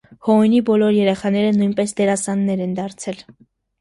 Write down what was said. Հոունի բոլոր երեխաները նույնպես դերասաններ են դարձել։